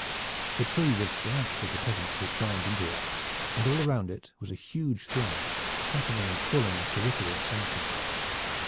The tree was black with the peasants who had climbed into it, and all round it was a huge throng, chattering and calling like a rookery at sunset.